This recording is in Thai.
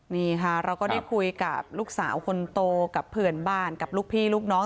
นี่ค่ะเราก็ได้คุยกับลูกสาวคนโตกับเพื่อนบ้านกับลูกพี่ลูกน้อง